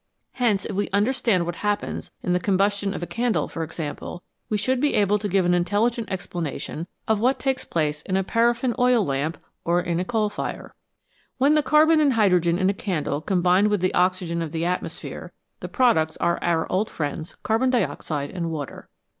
Hence, if we understand what happens in the combustion of a candle, for example, we should be able to give an intelli gent explanation of what takes place in a paraffin oil lamp or in a coal fire. When the carbon and hydrogen in a candle combine with the oxygen of the atmosphere, the products are our old friends carbon dioxide and water.